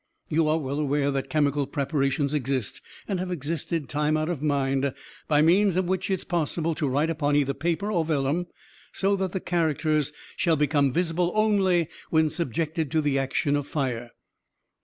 You are well aware that chemical preparations exist, and have existed time out of mind, by means of which it is possible to write upon either paper or vellum, so that the characters shall become visible only when subjected to the action of fire.